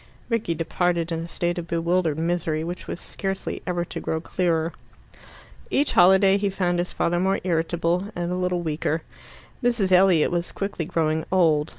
Rickie departed in a state of bewildered misery, which was scarcely ever to grow clearer. Each holiday he found his father more irritable, and a little weaker. Mrs. Elliot was quickly growing old.